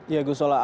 ya gus solah